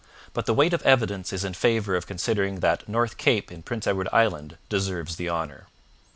But the weight of evidence is in favour of considering that North Cape in Prince Edward Island deserves the honour.